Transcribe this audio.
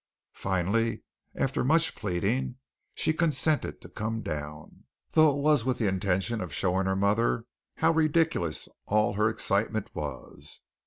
Finally, after much pleading, she consented to come down, though it was with the intention of showing her mother how ridiculous all her excitement was.